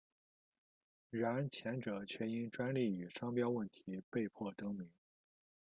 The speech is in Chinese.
然前者却因专利与商标问题被迫更名。